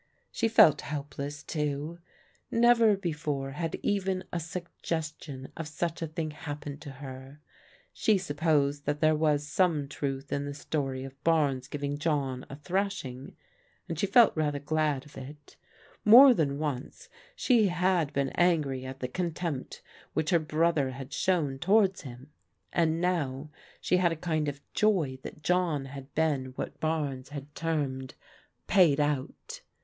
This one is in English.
She felt helpless, too. Never before had even a sug gestion of such a thing happened to her. She supposed ^iJbat there was some trulYi m VSaa s\.ot>j Ckl Barnes ^ving ELEANOR AND PEGGY DEFIANT 197 John a thrashing, and she felt rather glad of it More than once she had been angry at the contempt which her brother had shown towards him, and now she had a kind of joy that John had been what Barnes had termed "paid out."